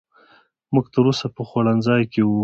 موږ تر اوسه په خوړنځای کې وو.